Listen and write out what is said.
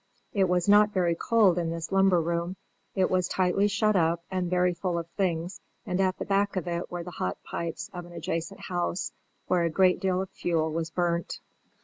It was not very cold in this lumber room; it was tightly shut up, and very full of things, and at the back of it were the hot pipes of an adjacent house, where a great deal of fuel was burnt.